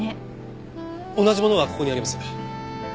同じものがここにあります。